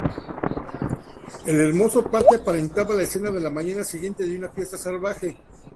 El hermoso parque aparentaba la escena de la mañana siguiente a una fiesta salvaje.